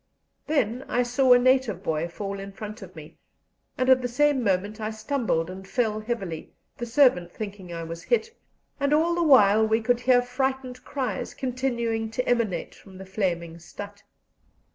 Then I saw a native boy fall in front of me, and at the same moment I stumbled and fell heavily, the servant thinking I was hit; and all the while we could hear frightened cries continuing to emanate from the flaming stadt.